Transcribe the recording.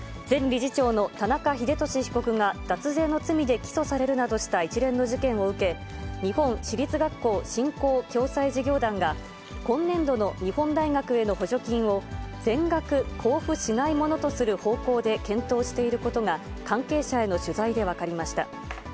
前理事長の田中英壽被告が脱税の罪で起訴されるなどした一連の事件を受け、日本私立学校振興・共済事業団が、今年度の日本大学への補助金を、全額交付しないものとする方向で検討していることが、関係者への取材で分かりました。